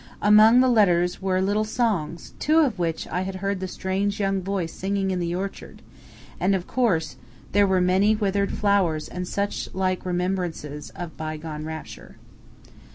Among the letters were little songs, two of which I had heard the strange young voice singing in the orchard, and, of course, there were many withered flowers and such like remembrances of bygone rapture.